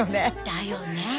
だよね。